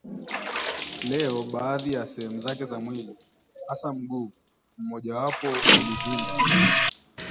Leo baadhi ya sehemu zake za mwili, hasa mguu mmojawapo ulivimba